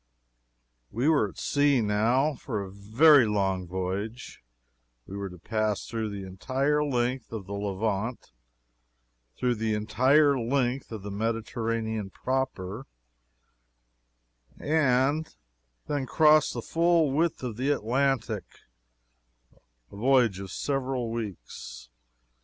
We were at sea now, for a very long voyage we were to pass through the entire length of the Levant; through the entire length of the Mediterranean proper, also, and then cross the full width of the Atlantic a voyage of several weeks.